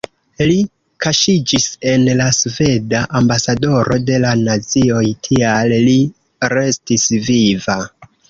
Li kaŝiĝis en la sveda ambasadoro de la nazioj, tial li restis viva.